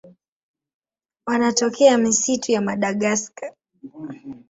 Wanatokea misitu ya Madagaska.